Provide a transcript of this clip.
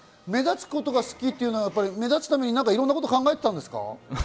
目立つことが好きというのは目立つためにいろんなことを考えていたんですか？